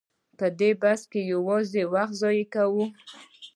په دې بحثونو کې یوازې وخت ضایع کوو.